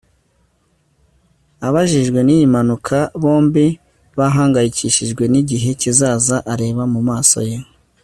ababajwe niyi mpanuka bombi bahangayikishijwe nigihe kizaza areba mumaso ye